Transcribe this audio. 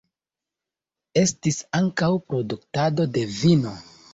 Estis ankaŭ produktado de vino.